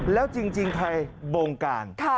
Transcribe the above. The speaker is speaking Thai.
แล้วจริงใครบงการ